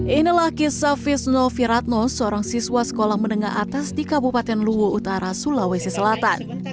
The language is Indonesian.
inilah kisah fisno firatno seorang siswa sekolah menengah atas di kabupaten luwu utara sulawesi selatan